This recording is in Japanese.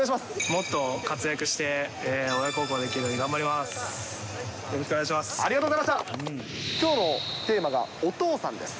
もっと活躍して、親孝行できるように頑張ります。